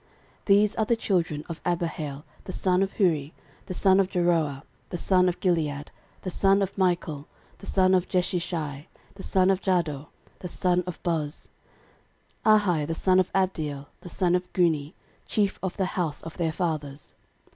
13:005:014 These are the children of Abihail the son of Huri, the son of Jaroah, the son of Gilead, the son of Michael, the son of Jeshishai, the son of Jahdo, the son of Buz; 13:005:015 Ahi the son of Abdiel, the son of Guni, chief of the house of their fathers.